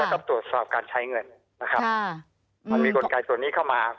ต้องตรวจสอบการใช้เงินนะครับมันมีกลไกส่วนนี้เข้ามา